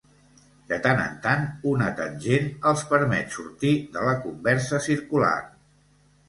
De tant en tant, una tangent els permet sortir de la conversa circular.